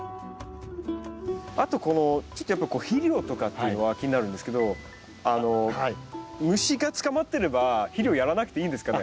あとこの肥料とかっていうのは気になるんですけどあの虫が捕まってれば肥料やらなくていいんですかね？